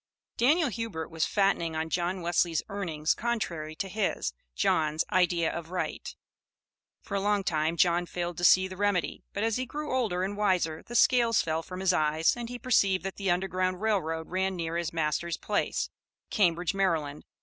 Daniel Hubert was fattening on John Wesley's earnings contrary to his, John's, idea of right. For a long time John failed to see the remedy, but as he grew older and wiser the scales fell from his eyes and he perceived that the Underground Rail Road ran near his master's place, Cambridge, Md.